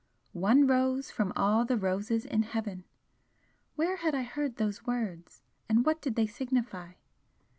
'One rose from all the roses in Heaven!' Where had I heard those words? And what did they signify?